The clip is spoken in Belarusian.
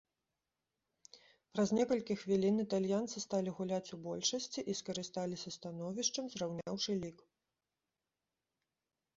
Праз некалькі хвілін італьянцы сталі гуляць у большасці і скарысталіся становішчам, зраўняўшы лік.